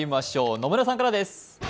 野村さんからです。